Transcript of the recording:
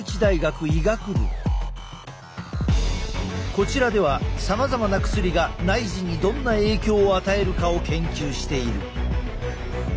こちらではさまざまな薬が内耳にどんな影響を与えるかを研究している。